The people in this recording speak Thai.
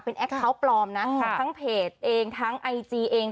แอคเคาน์ปลอมนะทั้งเพจเองทั้งไอจีเอง